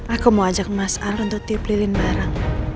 aku mau ajak mas al untuk tiup lilin barang